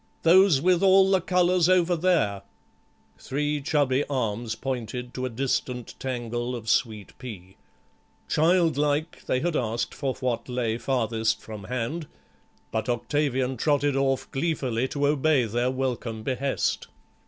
"Those with all the colours, over there." Three chubby arms pointed to a distant tangle of sweet pea. Child like, they had asked for what lay farthest from hand, but Octavian trotted off gleefully to obey their welcome behest.